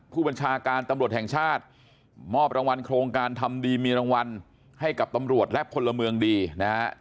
ผู้บัญชาการตำรวจแห่งชาติมอบรางวัลโครงการทำดีมีรางวัลให้กับตำรวจและพลเมืองดีนะฮะ